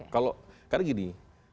kalau karena gini